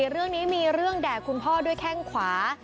เรื่องนี้มีเรื่องแด่คุณพ่อด้วยแข้งขวา